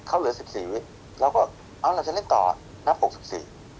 เขาเหลือสิบสี่วิเราก็เอาเราจะเล่นต่อนับหกสิบสี่